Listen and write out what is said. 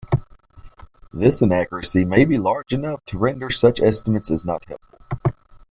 This inaccuracy may be large enough to render such estimates as not helpful.